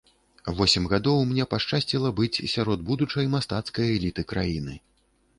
Восем гадоў мне пашчасціла быць сярод будучай мастацкай эліты краіны.